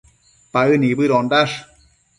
Paë nibëdondash